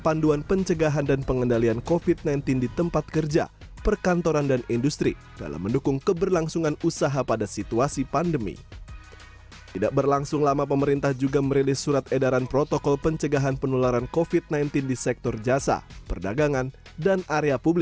agar dapat beroperasi saat psbb